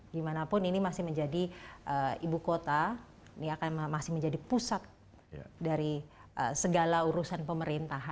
dimanapun ini masih menjadi ibu kota ini akan masih menjadi pusat dari segala urusan pemerintahan